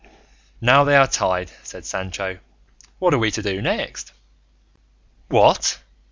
"Now they are tied," said Sancho; "what are we to do next?" "What?"